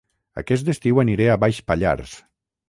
Aquest estiu aniré a Baix Pallars